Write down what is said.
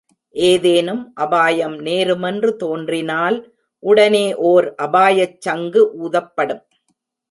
ஏதேனும் அபாயம் நேருமென்று தோன்றினால், உடனே ஓர் அபாயச் சங்கு ஊதப்படும்.